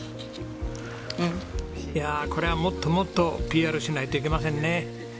いやあこれはもっともっとＰＲしないといけませんね。